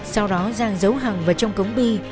sau đó giang giấu hằng vào trong cống bi